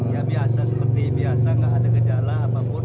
ya biasa seperti biasa nggak ada gejala apapun